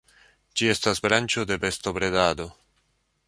Ĝi estas branĉo de bestobredado.